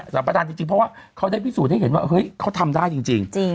ประดานจริงเพราะว่าเขาได้พิสูจน์ให้เห็นว่าเฮ้ยเขาทำได้จริง